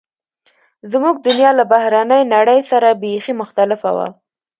زموږ دنیا له بهرنۍ نړۍ سره بیخي مختلفه وه